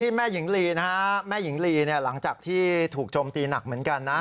แม่หญิงลีนะฮะแม่หญิงลีเนี่ยหลังจากที่ถูกโจมตีหนักเหมือนกันนะ